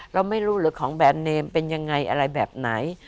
เราไม่รู้หรือของแบรนดเนมเป็นยังไงอะไรแบบไหน